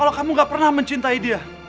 aku sudah selesai